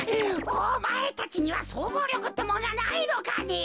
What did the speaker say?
おまえたちにはそうぞうりょくってもんがないのかね。